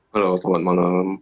halo selamat malam